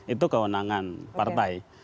itu kewenangan partai